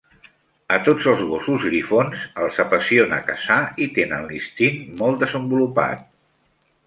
A tots els gossos grifons els apassiona caçar i tenen l'instint molt desenvolupat.